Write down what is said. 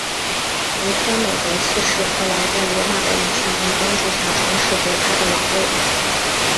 尼科美德四世后来在罗马的影响力帮助下重拾回他的王位。